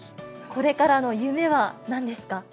これからの夢はなんですか？